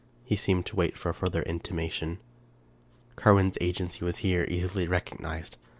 He seemed to wait for a further intimation. Carwin's agency was here easily recognized.